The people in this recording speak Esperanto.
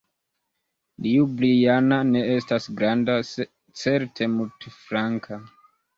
Ljubljana ne estas granda, sed certe multflanka.